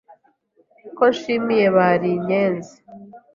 Ko nshimye bari inyenzi